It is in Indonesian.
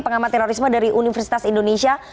pengamaterorisme dari universitas indonesia